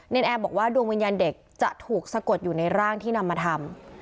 แอร์บอกว่าดวงวิญญาณเด็กจะถูกสะกดอยู่ในร่างที่นำมาทำ